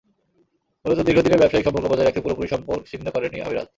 মূলত দীর্ঘদিনের ব্যবসায়িক সম্পর্ক বজায় রাখতে পুরোপুরি সম্পর্ক ছিন্ন করেনি আমিরাত।